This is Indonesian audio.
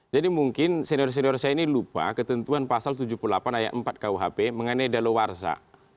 jadi mungkin senior senior saya ini lupa ketentuan pasal tujuh puluh delapan ayat empat kuhp mengenai dalo warsa